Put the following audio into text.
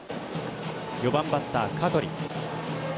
４番バッター、香取。